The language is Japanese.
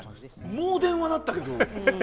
もう電話鳴ったけど。